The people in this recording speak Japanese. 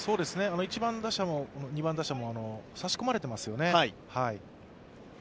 １番打者も２番打者も差し込まれてますよね。